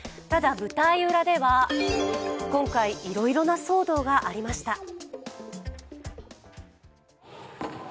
ただ、舞台裏では今回、いろいろな騒動がありました。